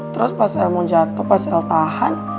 terus pas el mau jatuh pas el tahan